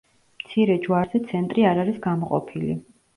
მცირე ჯვარზე ცენტრი არ არის გამოყოფილი.